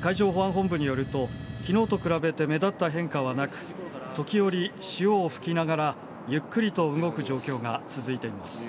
海上保安本部によると、きのうと比べて目立った変化はなく、時折潮を吹きながら、ゆっくりと動く状況が続いています。